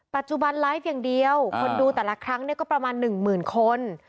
ปัจจุบันไลฟ์อย่างเดียวคนดูแต่ละครั้งเนี่ยก็ประมาณหนึ่งหมื่นคน